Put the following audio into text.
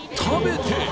食べて！